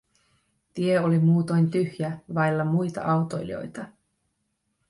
Tie oli muutoin tyhjä, vailla muita autoilijoita.